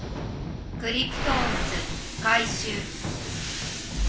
クリプトオンズ回しゅう。